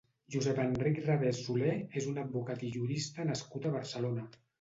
Josep-Enric Rebés Solé és un advocat i jurista nascut a Barcelona.